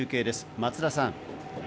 松田さん。